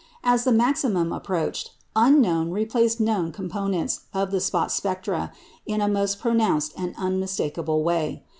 As the maximum approached, unknown replaced known components of the spot spectra in a most pronounced and unmistakable way.